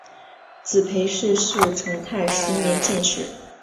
子裴栻是成泰十年进士。